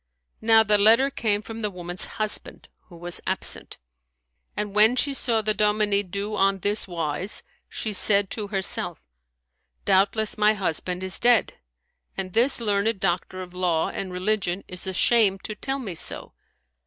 Now the letter came from the woman's husband, who was absent; and when she saw the dominie do on this wise, she said to herself, "Doubtless my husband is dead, and this learned doctor of law and religion is ashamed to tell me so."